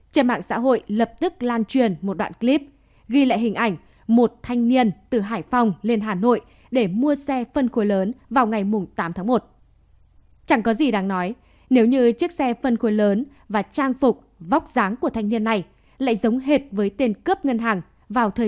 trên mạng xã hội lập tức lan truyền một đoạn clip ghi lại hình ảnh một thanh niên từ hải phòng lên hà nội